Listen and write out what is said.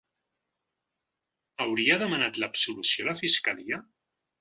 Hauria demanat l’absolució la fiscalia?